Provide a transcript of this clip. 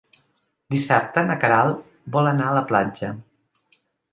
Dissabte na Queralt vol anar a la platja.